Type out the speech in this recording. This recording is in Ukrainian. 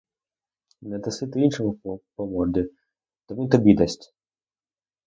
Не даси ти іншому по морді, то він тобі дасть!